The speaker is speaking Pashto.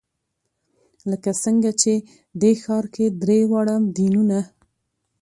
لکه څنګه چې دې ښار کې درې واړه دینونه.